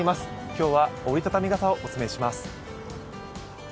今日は折り畳み傘をお勧めします。